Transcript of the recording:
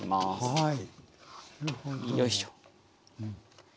はい。